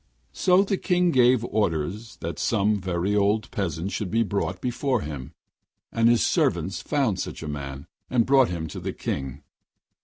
So the King gave orders that some very old peasant should be brought before him; and his servants found such a man and brought him to the King.